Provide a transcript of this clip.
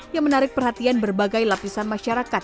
yang menarik perhatian berbagai lapisan masyarakat